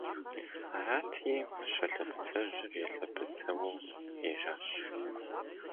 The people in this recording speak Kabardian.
Арати, Мыщэ лъэбыцэжьыр елъэбыцыуэу ежьащ.